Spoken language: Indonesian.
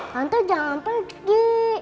tante jangan pergi